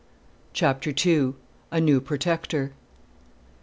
CHAPTER II. A NEW PROTECTOR.